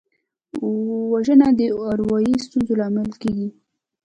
وژنه د اروايي ستونزو لامل کېږي